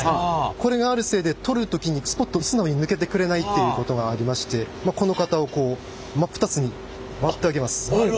これがあるせいで取る時にスポッと素直に抜けてくれないということがありましてこの型を割る！